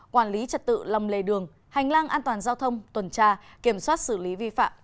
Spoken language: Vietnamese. quản lý trật tự lòng lề đường hành lang an toàn giao thông tuần tra kiểm soát xử lý vi phạm